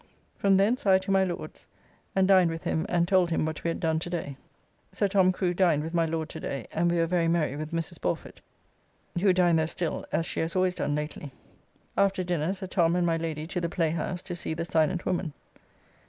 From thence I to my Lord's, and dined with him and told him what we had done to day. Sir Tho. Crew dined with my Lord to day, and we were very merry with Mrs. Borfett, who dined there still as she has always done lately. After dinner Sir Tho. and my Lady to the Playhouse to see "The Silent Woman."